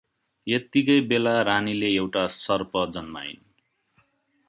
यत्तिकै बेला रानीले एउटा सर्प जन्माइन् ।